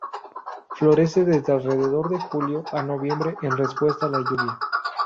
Florecen desde alrededor de julio a noviembre en respuesta a la lluvia.